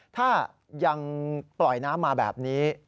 ถ้ายังปล่อยน้ำมาแบบนี้